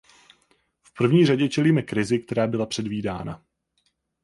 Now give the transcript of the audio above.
V první řadě čelíme krizi, která byla předvídána.